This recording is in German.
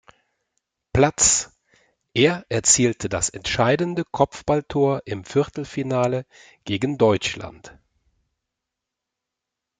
Platz; er erzielte das entscheidende Kopfballtor im Viertelfinale gegen Deutschland.